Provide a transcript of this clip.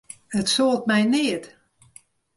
It soalt my neat.